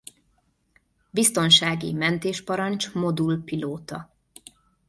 Biztonsági mentésparancs-modul-pilóta.